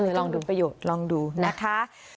เออลองดูลองดูนะคะ